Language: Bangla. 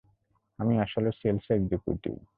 আমি আসলে সেলস এক্সিকিউটিভ।